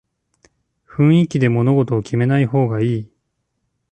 雰囲気で物事を決めない方がいい